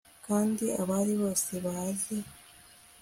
kandi abahari bose baze